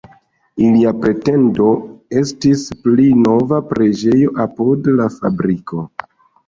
Ilia pretendo estis pli nova preĝejo apud la fabriko.